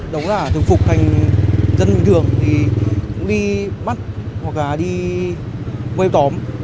dân thường thì cũng đi bắt hoặc là đi quay tóm